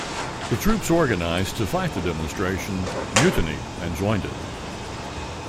The troops organized to fight the demonstration mutinied and joined it.